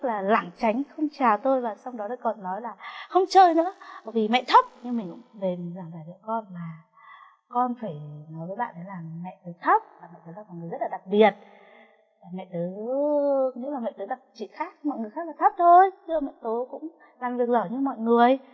là làm sao để hướng dẫn cho con để dạy con để con nhìn nhận